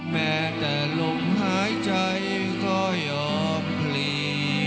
แม้แต่หลุมหายใจค่อยอบพลี